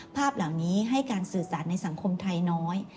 ภาพเหล่านี้ให้การสื่อสารในสังคมไทยน้อย